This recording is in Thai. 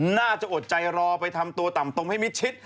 อดใจรอไปทำตัวต่ำตมให้มิดชิด